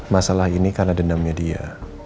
masalah ini karena dendamnya dia